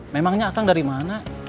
memangnya kang dari mana